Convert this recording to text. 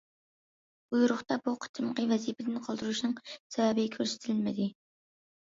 بۇيرۇقتا بۇ قېتىمقى ۋەزىپىدىن قالدۇرۇشنىڭ سەۋەبى كۆرسىتىلمىدى.